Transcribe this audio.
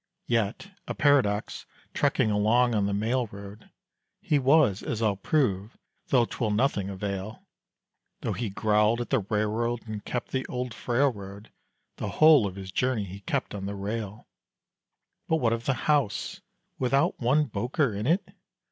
Yet, a paradox, trekking along on the mail road, He was, as I'll prove, though 'twill nothing avail. Though he growled at the railroad and kept the old frail road, The whole of his journey he kept on the rail. But what of the "House" without one Bowker in it?